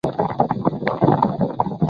华南花蟹蛛为蟹蛛科花蟹蛛属的动物。